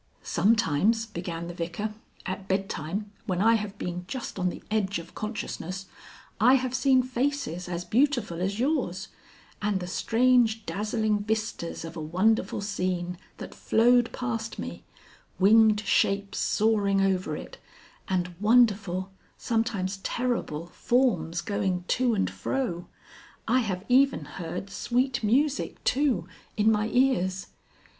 "Sometimes," began the Vicar, "at bedtime, when I have been just on the edge of consciousness, I have seen faces as beautiful as yours, and the strange dazzling vistas of a wonderful scene, that flowed past me, winged shapes soaring over it, and wonderful sometimes terrible forms going to and fro. I have even heard sweet music too in my ears....